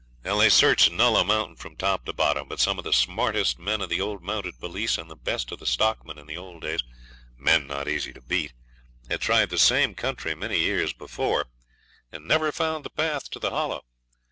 They searched Nulla Mountain from top to bottom; but some of the smartest men of the old Mounted Police and the best of the stockmen in the old days men not easy to beat had tried the same country many years before, and never found the path to the Hollow.